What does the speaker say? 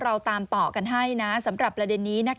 เราตามต่อกันให้สำหรับประเด็นนี้